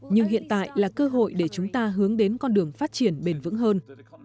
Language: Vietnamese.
nhưng hiện tại là cơ hội để chúng ta hướng đến con đường phát triển bền vững hơn